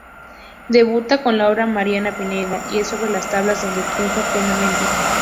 Debuta con la obra "Mariana Pineda" y es sobre las tablas donde triunfa plenamente.